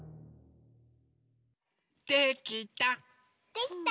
できた。